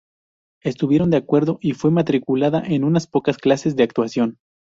Estuvieron de acuerdo, y fue matriculada en unas pocas clases de actuación.